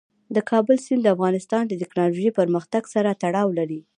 د کابل سیند د افغانستان د تکنالوژۍ پرمختګ سره تړاو لري.